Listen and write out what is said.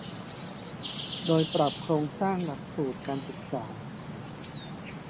โดยปรับโครงสร้างหลักสูตรการศึกษา